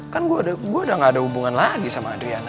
kan gue udah gak ada hubungan lagi sama adriana